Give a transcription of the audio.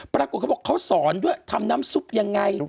ปรากฏเขาบอกเขาสอนด้วยทำน้ำซุปยังไง